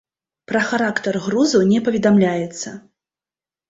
Пра характар грузу не паведамляецца.